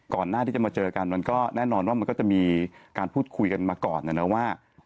หน้าที่จะมาเจอกันมันก็แน่นอนว่ามันก็จะมีการพูดคุยกันมาก่อนนะนะว่า